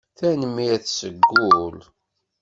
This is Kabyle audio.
Tanemmirt seg wul.